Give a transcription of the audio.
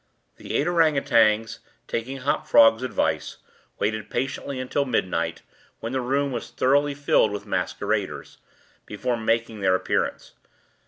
The eight ourang outangs, taking Hop Frog's advice, waited patiently until midnight (when the room was thoroughly filled with masqueraders) before making their appearance.